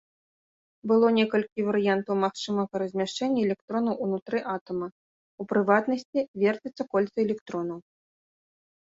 Было некалькі варыянтаў магчымага размяшчэння электронаў ўнутры атама, у прыватнасці верцяцца кольцы электронаў.